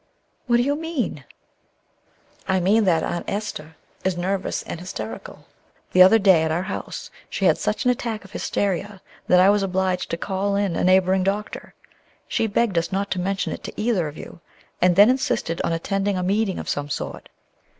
"What do you mean?" "I mean that Aunt Esther is nervous and hysterical. The other day at our house she had such an attack of hysteria that I was obliged to call in a neighboring doctor. She begged us not to mention it to either of you, and then insisted on attending a meeting of some sort.